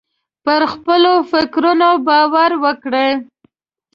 پر خپلو فکرونو باور وکړئ.